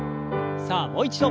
さあもう一度。